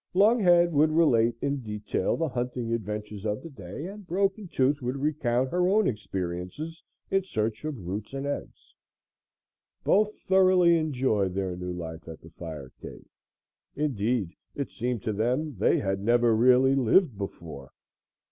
Longhead would relate in detail the hunting adventures of the day and Broken Tooth would recount her own experiences in search of roots and eggs. Both thoroughly enjoyed their new life at the fire cave; indeed, it seemed to them they had never really lived before.